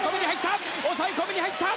抑え込みに入った。